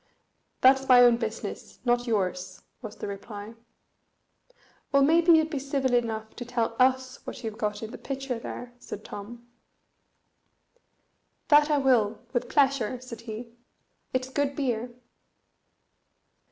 "That's my own business, not yours," was the reply. "Well, maybe you'd be civil enough to tell us what you've got in the pitcher there?" said Tom. "That I will, with pleasure," said he; "it's good beer."